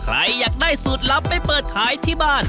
ใครอยากได้สูตรลับไปเปิดขายที่บ้าน